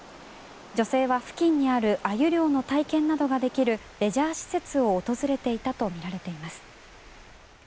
女性は付近にあるアユ漁の体験などができるレジャー施設を訪れていたとみられています。